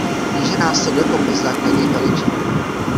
Níže následuje popis základních veličin.